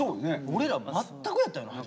俺ら全くやったよな？